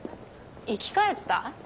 生き返った？